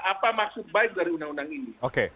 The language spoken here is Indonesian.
apa maksud baik dari undang undang ini